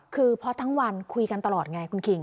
คือเพราะทั้งวันคุยกันตลอดไงคุณคิง